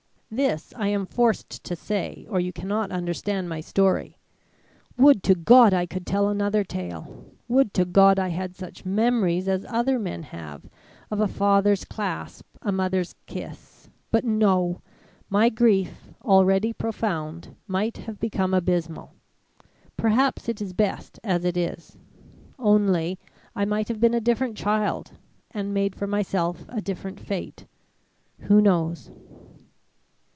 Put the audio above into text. This I am forced to say, or you cannot understand my story. Would to God I could tell another tale! Would to God I had such memories as other men have of a father's clasp, a mother's kiss but no! my grief, already profound, might have become abysmal. Perhaps it is best as it is; only, I might have been a different child, and made for myself a different fate who knows.